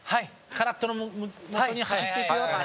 カラットのもとに走っていくよ。